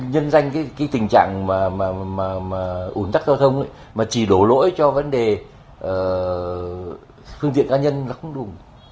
nhân danh tình trạng ồn tắc giao thông mà chỉ đổ lỗi cho vấn đề phương tiện ca nhân là không đủ